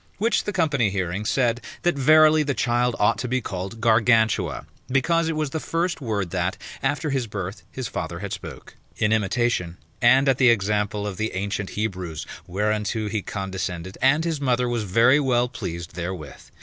Which the company hearing, said that verily the child ought to be called Gargantua; because it was the first word that after his birth his father had spoke, in imitation, and at the example of the ancient Hebrews; whereunto he condescended, and his mother was very well pleased therewith.